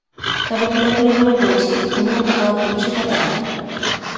তবে খোলাখুলিভাবে বলছি, তুমিও ধোয়া তুলসীপাতা না।